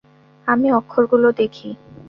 আমি অক্ষরগুলো দেখি।